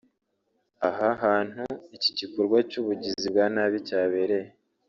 Aha hantu iki gikorwa cy’ubugizi bwa nabi cyabereye